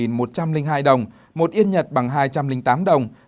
một nhân dân tệ trung quốc bằng hai mươi đồng